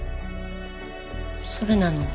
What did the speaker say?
それなのに。